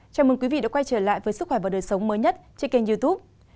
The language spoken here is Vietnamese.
chào mừng quý vị đã quay trở lại với sức khỏe và đời sống mới nhất trên kênh youtube